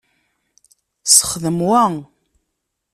Sexdem wa!